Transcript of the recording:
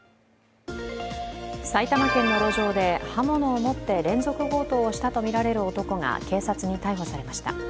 埼玉県の路上で、刃物を持って連続強盗をしたとみられる男が警察に逮捕されました。